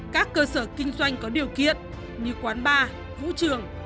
các cơ sở kinh doanh có điều kiện như quán bar vũ trường